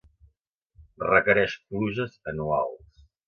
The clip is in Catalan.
Requereix pluges anuals.